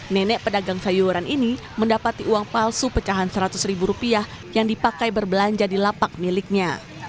nenek pedagang sayuran ini mendapati uang palsu pecahan seratus ribu rupiah yang dipakai berbelanja di lapak miliknya